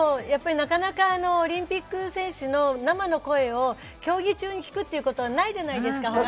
なかなかオリンピック選手の生の声を競技中に聞くってことはないじゃないですか。